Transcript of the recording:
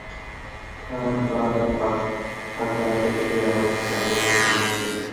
Sir, বার ফাঁকা রেখে আমার বাইরে থাকা নিষেধ।